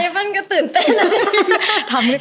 ปั้นก็ตื่นเต้นมากเลย